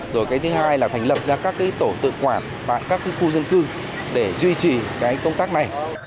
rồi cái thứ hai là thành lập ra các cái tổ tự quản và các cái khu dân cư để duy trì cái công tác này